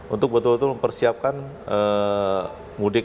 untuk betul betul mempersiapkan mudik